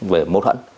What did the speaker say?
về mâu thuẫn